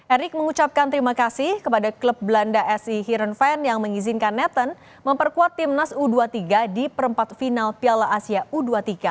erick mengucapkan terima kasih kepada klub belanda si heran van yang mengizinkan netton memperkuat timnas u dua puluh tiga di perempat final piala asia u dua puluh tiga